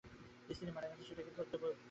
স্ত্রী মারা গেছেন, সেটা কী করে বলতে পারলেন?